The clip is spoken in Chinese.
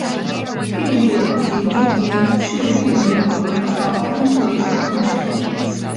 并没有行进间射击能力和较高端的射控系统。